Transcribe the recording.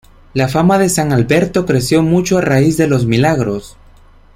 La fama de San Alberto creció mucho a raíz de los milagros.